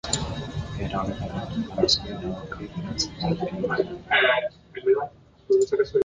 Era horretara, marrazkia grabaturik geratzen da ehunean.